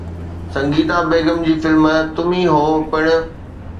سنگيتا بيگم جي فلم ’تم هي هو‘ پڻ